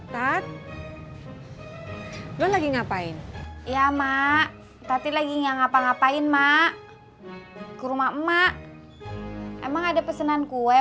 tat dulu lagi ngapain ya mak tadi lagi nggak ngapa ngapain mak ke rumah emak emak emang ada pesanan kue